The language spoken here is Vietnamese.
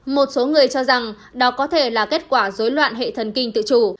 một số người cho rằng đó có thể là kết quả dối loạn hệ thần kinh tự chủ